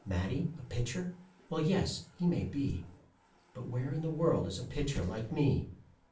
Matty a pitcher? Well, yes, he may be, But where in the world is a pitcher like me?